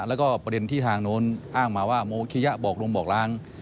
แล้วก็ประเด็นที่ทางโน้นอ้างมาว่าโมคิยะบอกลงบอกล้าง